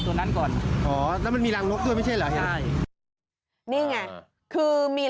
ตรงกลางเซาเนี่ย